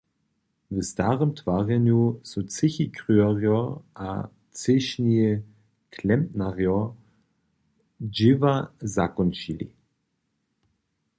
W starym twarjenju su třěchikryjerjo a třěšni klempnarjo dźěła zakónčili.